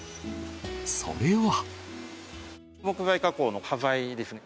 それは。